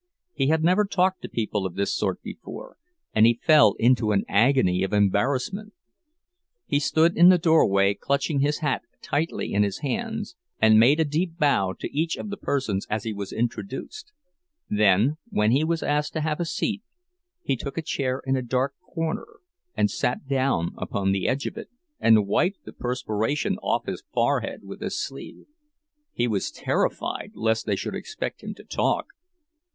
He had never talked to people of this sort before, and he fell into an agony of embarrassment. He stood in the doorway clutching his hat tightly in his hands, and made a deep bow to each of the persons as he was introduced; then, when he was asked to have a seat, he took a chair in a dark corner, and sat down upon the edge of it, and wiped the perspiration off his forehead with his sleeve. He was terrified lest they should expect him to talk.